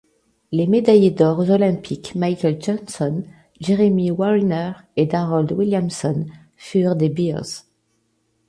Les médaillés d'or olympiques Michael Johnson, Jeremy Wariner et Darold Williamson furent des Bears.